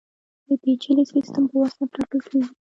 د پېچلي سیستم په واسطه ټاکل کېږي.